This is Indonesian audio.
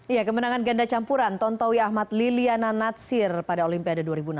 ya kemenangan ganda campuran tontowi ahmad liliana natsir pada olimpiade dua ribu enam belas